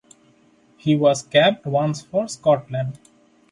He was capped once for Scotland.